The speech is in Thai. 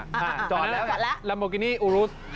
อ่าตอนนั้นลัมโบกินี่อูรุส